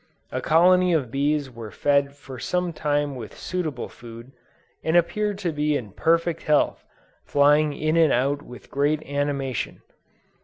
A colony of bees were fed for some time with suitable food, and appeared to be in perfect health, flying in and out with great animation.